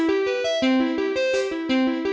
liat gue cabut ya